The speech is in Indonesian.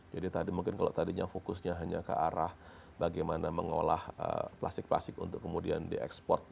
jadi mungkin kalau tadinya fokusnya hanya ke arah bagaimana mengolah plastik plastik untuk kemudian diekspor